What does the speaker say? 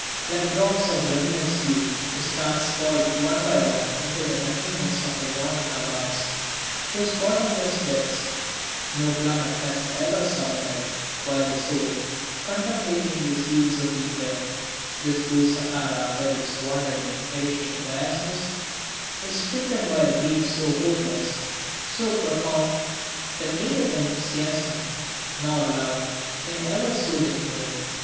Like drops of luminous dew the stars fall one by one into the nothingness of a yawning abyss, whose bottomless depths no plummet has ever sounded, while the soul, contemplating these fields of ether, this blue Sahara with its wandering and perishing oases, is stricken by a grief so hopeless, so profound, that neither enthusiasm nor love can ever soothe it more.